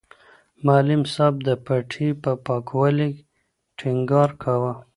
معلم صاحب د پټي په پاکوالي ټینګار کاوه.